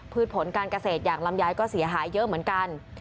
ผลการเกษตรอย่างลำไยก็เสียหายเยอะเหมือนกัน